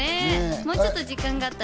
もうちょっと時間があったら。